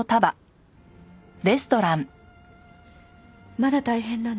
まだ大変なの？